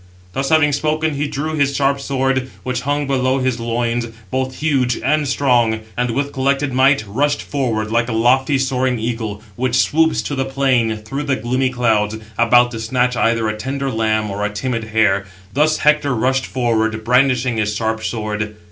Thus having spoken, he drew his sharp sword, which hung below his loins, both huge and strong, and, with collected might, rushed forward, like a lofty soaring eagle, which swoops to the plain through the gloomy clouds, about to snatch either a tender lamb, or a timid hare; thus Hector rushed forward, brandishing his sharp sword.